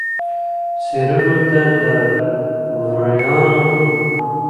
څېرلو ته د وریانو